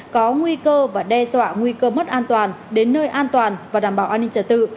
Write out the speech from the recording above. có nguy cơ và đe dọa nguy cơ mất an toàn đến nơi an toàn và đảm bảo an ninh trật tự